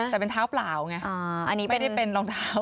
แต่เป็นเท้าเปล่าไงอันนี้ไม่ได้เป็นรองเท้า